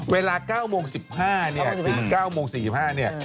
เวลาเก้าโมงสิบห้าเนี่ยสิบห้าเก้าโมงสี่สิบห้าเนี่ย